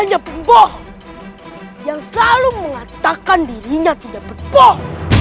hanya pemboh yang selalu mengatakan dirinya tidak berboh